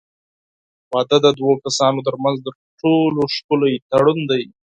واده د دوو کسانو ترمنځ تر ټولو ښکلی تړون دی.